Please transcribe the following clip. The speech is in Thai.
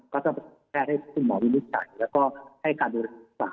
ก็จะแก้ให้ฮุ่นหมอวินิจใสและก็ให้การรักษา